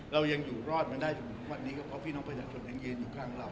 เรายังอยู่รอดมาได้ถึงวันนี้ก็เพราะพี่น้องประชาชนยังยืนอยู่ข้างเรา